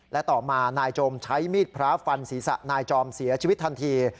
และต่อมานายโจมใช้มีดพระฟันศีรษะนายจอมเสียชีวิตทันที